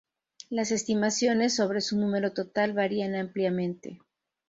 Las estimaciones sobre su número total varían ampliamente.